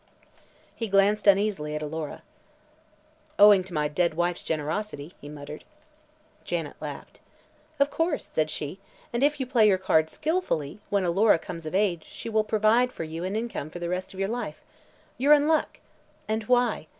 He glanced uneasily at Alora. "Owing to my dead wife's generosity," he muttered. Janet laughed. "Of course," said she; "and, if you play your cards skillfuly, when Alora comes of age she will provide for you an income for the rest of your life. You're in luck. And why?